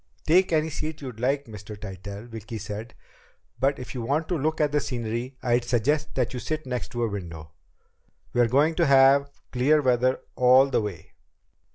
"Take any seat you like, Mr. Tytell," Vicki said. "But if you want to look at the scenery, I'd suggest that you sit next to a window. We're going to have clear weather all the way."